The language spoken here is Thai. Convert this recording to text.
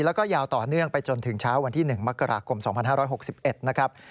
แล้วก็ยาวต่อเนื่องไปจนถึงเช้าวันที่๑มกราคม๒๕๖๑นะครับ